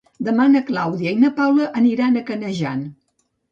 Demà na Clàudia i na Paula aniran a Canejan.